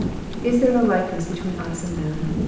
Is there no likeness between us and them